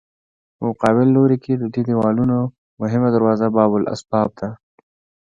په مقابل لوري کې د دې دیوالونو مهمه دروازه باب الاسباب ده.